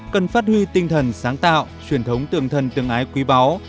cần phát huy tinh thần sáng tạo truyền thống tượng thần tương ái quý báu